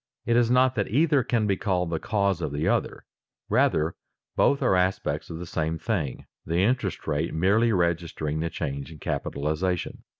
It is not that either can be called the cause of the other; rather both are aspects of the same thing, the interest rate merely registering the change in capitalization.